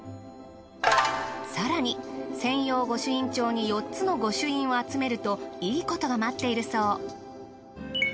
更に専用御朱印帳に４つの御朱印を集めるといいことが待っているそう。